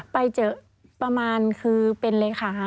ไปเจอประมาณคือเป็นเลขาค่ะ